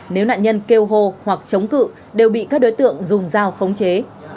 nếu nạn nhân kêu hô hoặc chống cự đều bị các đối tượng dùng dao khống chế